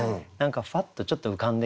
ふわっとちょっと浮かんできて。